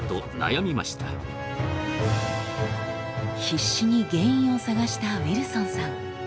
必死に原因を探したウィルソンさん。